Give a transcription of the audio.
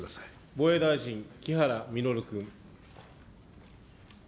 防衛大臣、木原稔君。